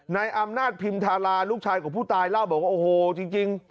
ในอำนาจพิมธาราลูกชายของผู้ตายเล่าบอกว่าโอ้โหจริง